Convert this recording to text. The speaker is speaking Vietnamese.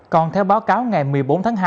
còn theo báo cáo ngày một mươi bốn tháng hai